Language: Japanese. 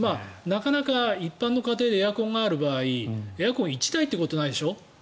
なかなか一般の家庭でエアコンがある場合エアコンが１台ということないでしょう。